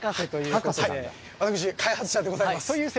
私、開発者でございます。